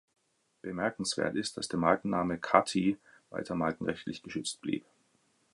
Bemerkenswert ist, dass der Markenname Kathi weiter markenrechtlich geschützt blieb.